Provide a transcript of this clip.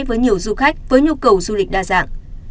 với nhiều du khách với nhu cầu du lịch đa dạng